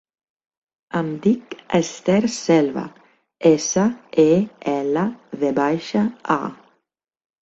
Em dic Esther Selva: essa, e, ela, ve baixa, a.